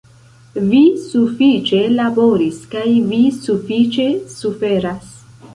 Vi sufiĉe laboris kaj Vi sufiĉe suferas!